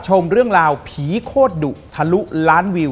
ขอบคุณนะครับ